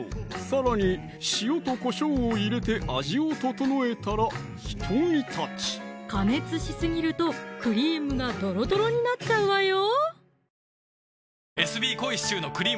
さらに塩とこしょうを入れて味を調えたらひと煮立ち加熱しすぎるとクリームがドロドロになっちゃうわよ